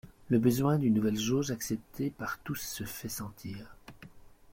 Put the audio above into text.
Le besoin d'une nouvelle jauge acceptée par tous se fait sentir.